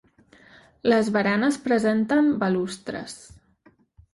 Les baranes presenten balustres.